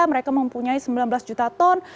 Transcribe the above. mereka mempunyai sembilan belas juta ton